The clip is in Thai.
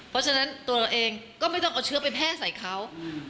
เพราะฉะนั้นตัวเราเองก็ไม่ต้องเอาเชื้อไปแพร่ใส่เขา